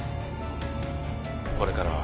これからは。